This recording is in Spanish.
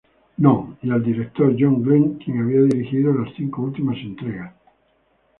No", y al director John Glen, quien había dirigido las cinco últimas entregas.